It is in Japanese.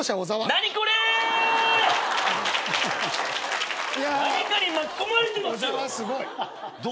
何かに巻き込まれてますよ。